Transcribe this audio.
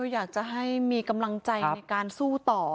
อยากจะให้มีกำลังใจในการสู้ต่อ